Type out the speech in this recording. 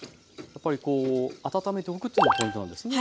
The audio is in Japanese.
やっぱりこう温めておくというのがポイントなんですね。